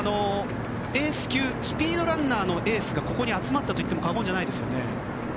スピードランナーのエースがここに集まったといっても過言じゃないですよね。